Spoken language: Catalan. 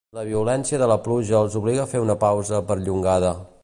La violència de la pluja els obliga a fer una pausa perllongada.